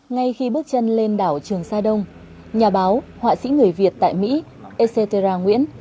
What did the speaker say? ngay khi bước chân lên đảo trường xa đông nhà báo họa sĩ người việt tại mỹ ezzetera nguyễn